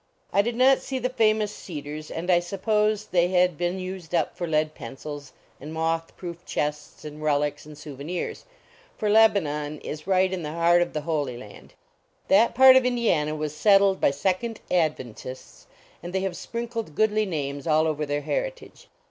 I did not see the famous cedars, and I supposed they had been used up for lead pencils, and moth proof chests, and relics, and souvenirs; for Leb anon is right in the heart of the holy land. That part of Indiana was settled by Second Adventists, and they have sprinkled goodly names all over their heritage.